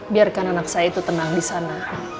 biarkan anak saya itu tenang di sana